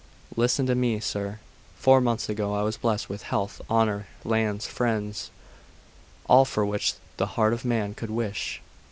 Listen to me, sir. Four mouths ago I was blessed with health, honour, lands, friends all for which the heart of man could wish.